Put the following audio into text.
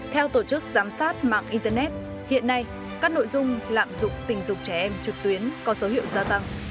theo tổ chức giám sát mạng internet hiện nay các nội dung lạm dụng tình dục trẻ em trực tuyến có dấu hiệu gia tăng